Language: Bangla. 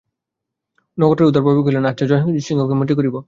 নক্ষত্ররায় উদারভাবে কহিলেন, আচ্ছা, জয়সিংহকে মন্ত্রী করিব।